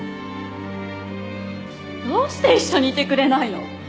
どうして一緒にいてくれないの？